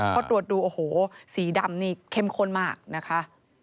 พอตรวจดูโอ้โหสีดำนี่เข้มข้นมากนะคะ